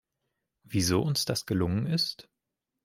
Wieso uns das gelungen ist?